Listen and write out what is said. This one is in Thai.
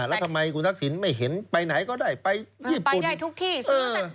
แล้วทำไมคุณทักศิลป์ไม่เห็นไปไหนก็ได้ไปไปได้ทุกที่เออ